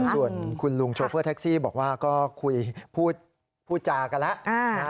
ส่วนคุณลุงโชเฟอร์แท็กซี่บอกว่าก็พูดจากละ